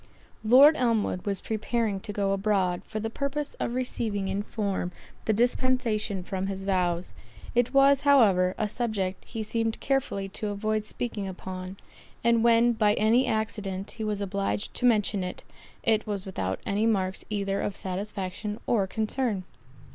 Lord Elmwood was preparing to go abroad, for the purpose of receiving in form, the dispensation from his vows; it was, however, a subject he seemed carefully to avoid speaking upon; and when by any accident he was obliged to mention it, it was without any marks either of satisfaction or concern.